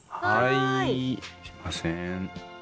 はいすいません。